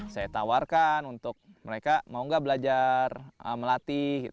saya tawarkan untuk mereka mau nggak belajar melatih